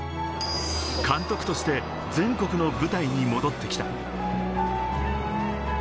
監督として全国の舞台に戻ってきた。